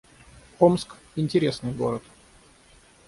Омск — интересный город